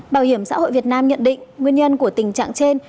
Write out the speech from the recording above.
bảo hiểm xã hội việt nam nhận định nguyên nhân của tình trạng trên